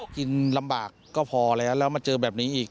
กินลำบากก็พอแล้วแล้วมาเจอแบบนี้อีก